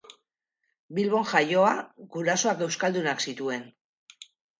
Bilbon jaioa, gurasoak euskaldunak zituen.